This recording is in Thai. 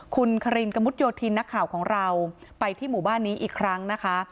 คุณคารินกระมุดโยธินนักข่าวของเราไปที่หมู่บ้านนี้อีกครั้งนะคะ